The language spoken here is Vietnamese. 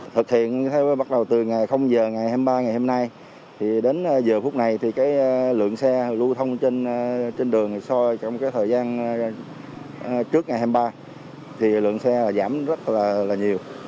thực hiện bắt đầu từ giờ ngày hai mươi ba ngày hôm nay đến giờ phút này thì lượng xe lưu thông trên đường so với thời gian trước ngày hai mươi ba lượng xe giảm rất là nhiều